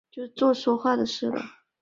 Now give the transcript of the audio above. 青藏黄耆为豆科黄芪属的植物。